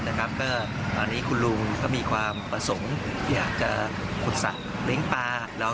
ตอนนี้คุณลุงก็มีความประสงค์อยากจะสัดเรียงปลา